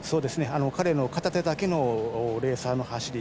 彼の片手だけでのレーサーの走り